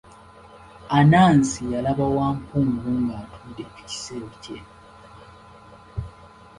Anansi yalaba Wampungu ng'atudde ku kisero kye.